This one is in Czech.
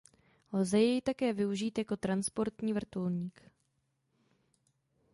Lze jej také využít jako transportní vrtulník.